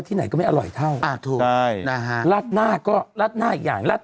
ไหนก็ไม่อร่อยเท่าอ่าถูกใช่นะฮะราดหน้าก็ราดหน้าอีกอย่างราด